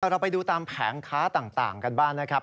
เราไปดูตามแผงค้าต่างกันบ้างนะครับ